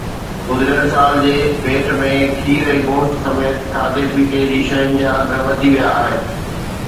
گذريل سال جي ڀيٽ ۾ کير ۽ گوشت سميت کاڌي پيتي جي شين جا اگهه وڌي ويا آهن